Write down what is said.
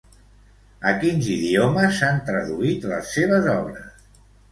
A quins idiomes s'han traduït les seves obres?